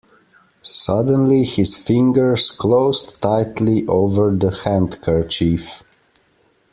Suddenly his fingers closed tightly over the handkerchief.